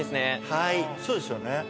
はいそうですよね。